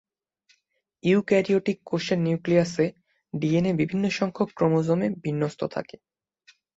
Eukaryotic কোষের নিউক্লিয়াসে DNA বিভিন্ন সংখ্যক ক্রোমোজোমে বিন্যস্ত থাকে।